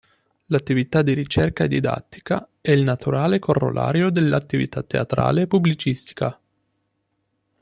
L'attività di ricerca e didattica è il naturale corollario dell'attività teatrale e pubblicistica.